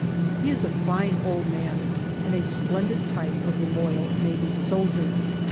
He is a fine old man, and a splendid type of the loyal Native soldier.